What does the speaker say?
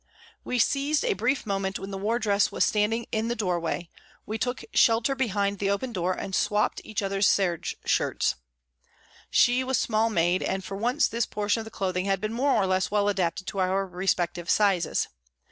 We seized a brief moment when the wardress was standing in the doorway, we took shelter behind the open door and swopped each other's serge shirts. She was small made and for once this portion of the clothing had been more or less well adapted to our respective sizes.